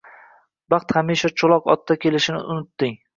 Baxt hamisha cho`loq otda kelishini unutding